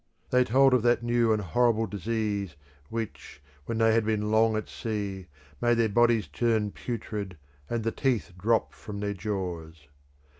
They told of that new and horrible disease which, when they had been long at sea, made their bodies turn putrid and the teeth drop from their jaws.